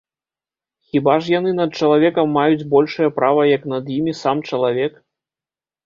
Хіба ж яны над чалавекам маюць большае права, як над імі сам чалавек?